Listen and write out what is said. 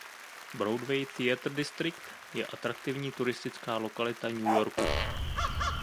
Broadway Theater District je atraktivní turistická lokalita New Yorku.